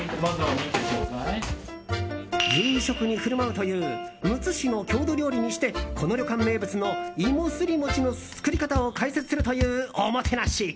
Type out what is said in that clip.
夕食に振る舞うというむつ市の郷土料理にしてこの旅館名物の芋すり餅の作り方を解説するというおもてなし。